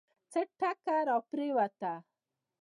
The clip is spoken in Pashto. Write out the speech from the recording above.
څه ټکه راپرېوته.